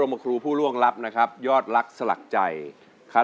โทษใจโทษใจโทษใจโทษใจโทษใจโทษใจโทษใจโทษใจโทษใจ